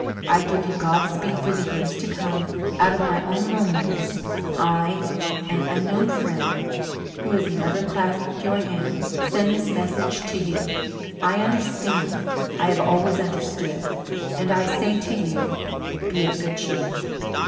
I give you Godspeed for the years to come. Out of my own loneliness I, an unknown friend, who has never clasped your hand, send this message to you. I understand I have always understood and I say to you: "Be of good cheer."